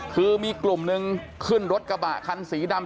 คือมีกลุ่มนึงขึ้นรถกระบะคันสีดำ